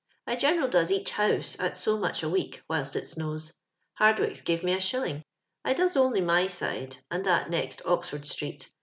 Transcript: I generd does each house at so much a week whilst it snows. Hardwicks give me a shilling. I does only my side, and that next Ox ford street.